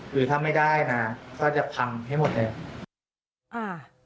คือถ้าไม่ได้นะก็จะพังให้หมดเลย